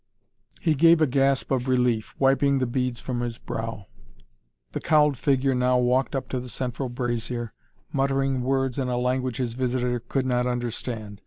He gave a gasp of relief, wiping the beads from his brow. The cowled figure now walked up to the central brazier, muttering words in a language his visitor could not understand.